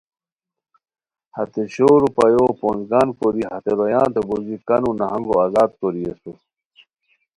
ہتے شور روپیو پونج گان کوری ہتے رویانتے بوژی کانو نہانگو آزاد کوری اسور